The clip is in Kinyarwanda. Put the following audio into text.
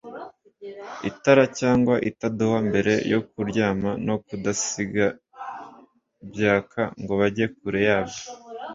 itara cyangwa itadowa mbere yo kuryama no kudasiga byaka ngo bage kure yabyo